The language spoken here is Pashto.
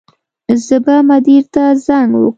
زه به مدیر ته زنګ وکړم